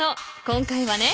今回はね